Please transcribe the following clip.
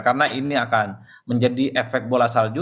karena ini akan menjadi efek bola salju